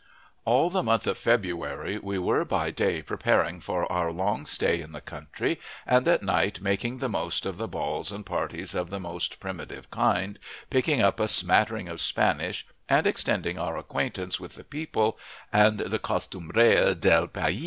All the month of February we were by day preparing for our long stay in the country, and at night making the most of the balls and parties of the most primitive kind, picking up a smattering of Spanish, and extending our acquaintance with the people and the costumbrea del pais.